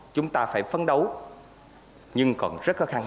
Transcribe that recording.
chúng ta phải phấn đấu nhưng còn rất khó khăn